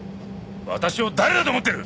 私を誰だと思ってる！